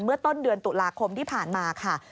เมื่อต้นเดือนตุลาคมที่ผ่านมาค่ะ